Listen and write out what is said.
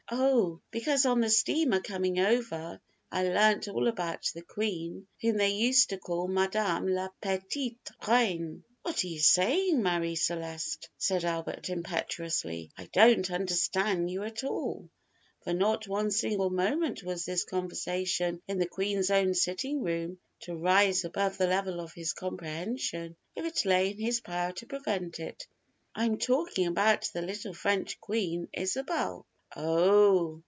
"Oh, because on the steamer coming over I learned all about the Queen whom they used to call Madame La Petite Reine." "What are you saying, Marie Celeste?" said Albert impetuously; "I don't understan' you at all;" for not for one single moment was this conversation in the Queen's own sitting room to rise above the level of his comprehension, if it lay in his power to prevent it. "I am talking about the little French Queen, Isabel." "Oh!"